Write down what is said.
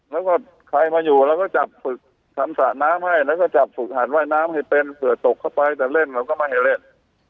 แล้วก็ใครมาอยู่เราก็จับฝึกทำสระน้ำให้แล้วก็จับฝึกหันว่ายน้ำให้เป็นเผื่อตกเข้าไปแต่เล่นเราก็ไม่ให้เล่น